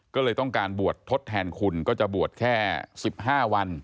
ก็เลยต้องการบวชทดแทนคุณก็จะบวชแค่๑๕วัน